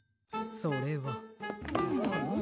それは。